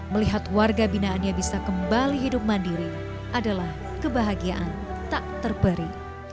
melihat warga binaannya bisa kembali hidup mandiri adalah kebahagiaan tak terberi